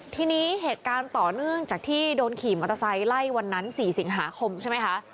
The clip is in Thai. ทีนี้เหตุการณ์ต่อเนื่องจากที่โดนขี่มอเตอร์ไซค์ไล่วันนั้น๔สิงหาคมใช่ไหมคะ